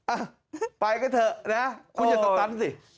อ้าไปก็เถอะนะคุณจะสตั๊นกิจสิ